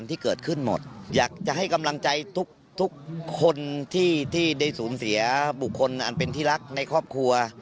ที่ได้สูญเสียบุคคลอันเป็นที่รักในครอบครัว